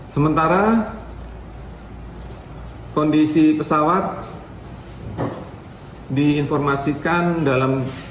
sementara kondisi pesawat diinformasikan dalam